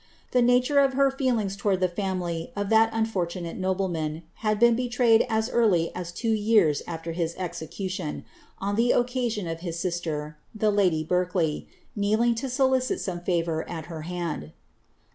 The nature of her feelings towards the family of that unfortunate nobleman, had been be traved as earlv as two years after his execution, on the occasion of his ciiiter, the lady Berkeley, kneeling to solicit some favour at her hand.